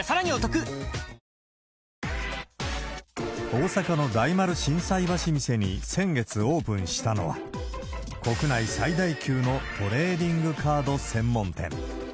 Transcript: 大阪の大丸心斎橋店に先月オープンしたのは、国内最大級のトレーディングカード専門店。